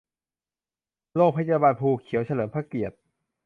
โรงพยาบาลภูเขียวเฉลิมพระเกียรติ